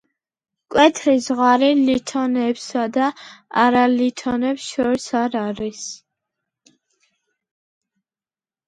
მკვეთრი ზღვარი ლითონებსა და არალითონებს შორის არ არის.